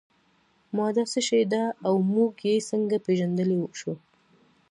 ماده څه شی ده او موږ یې څنګه پیژندلی شو